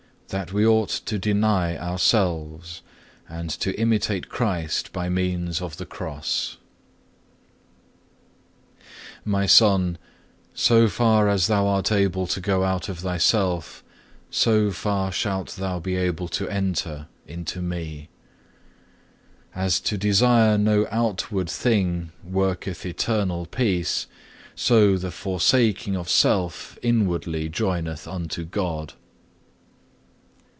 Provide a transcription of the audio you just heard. CHAPTER LVI That we ought to deny ourselves, and to imitate Christ by means of the Cross My Son, so far as thou art able to go out of thyself so far shalt thou be able to enter into Me. As to desire no outward thing worketh internal peace, so the forsaking of self inwardly joineth unto God.